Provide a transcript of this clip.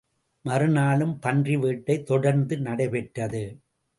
மறு நாளும் பன்றி வேட்டை தொடர்ந்து நடைபெற்றது.